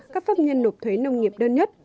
các pháp nhân nộp thuế nông nghiệp đơn nhất